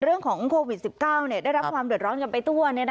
เรื่องของโควิด๑๙ได้รับความเดือดร้อนกันไปทั่ว